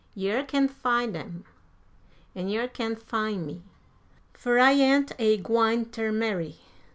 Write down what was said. Yer can't fin' dem, an' yer can't fin' me. _Fur I ain't a gwine ter marry.